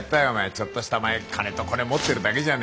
ちょっとしたお前金とコネ持ってるだけじゃねえか。